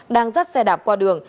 đang dắt xe đạp qua đường